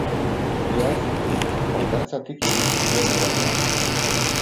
Iaz, hondartzatik ibili ziren erregeak.